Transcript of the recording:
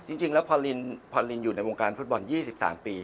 จริงจริงแล้วพอลินพอลินอยู่ในวงการฟุตบอลยี่สิบสามปี